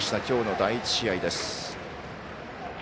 きょうの第１試合です。